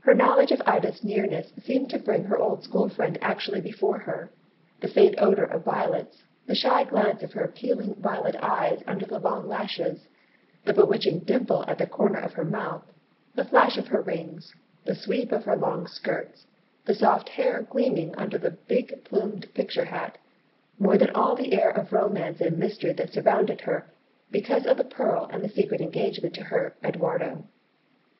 Her knowledge of Ida's nearness seemed to bring her old school friend actually before her: the faint odour of violets, the shy glance of her appealing violet eyes under the long lashes, the bewitching dimple at the corner of her mouth, the flash of her rings, the sweep of her long skirts, the soft hair gleaming under the big plumed picture hat, more than all the air of romance and mystery that surrounded her because of the pearl and the secret engagement to her "Edwardo."